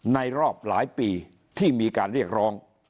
ในรอบหลายปีที่มีการเรียกร้อง